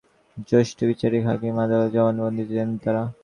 গতকাল রোববার সন্ধ্যায় ফেনীর জ্যেষ্ঠ বিচারিক হাকিম আদালতে জবানবন্দি দেন তাঁরা।